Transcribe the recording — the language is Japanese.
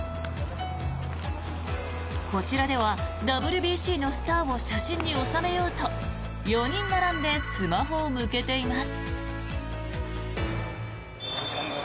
こちらでは、ＷＢＣのスターを写真に収めようと４人並んでスマホを向けています。